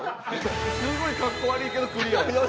すごい格好悪いけどクリアや。